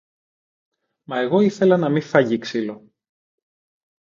Μα εγώ ήθελα να μη φάγει ξύλο!